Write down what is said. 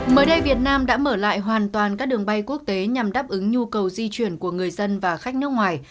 mới đây việt nam đã mở lại hoàn toàn các đường bay quốc tế nhằm đáp ứng nhu cầu di chuyển của người dân và khách nước ngoài